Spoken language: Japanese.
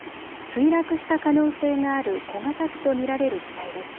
墜落した可能性がある小型機と見られる機体です。